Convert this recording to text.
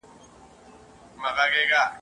پر پردیو ما ماتم نه دی لیدلی !.